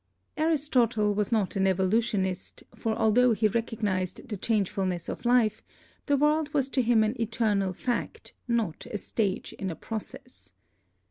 Aristotle was not an evolutionist, for altho he recog nised the changefulness of life, the world was to him an eternal fact, not a stage in a process.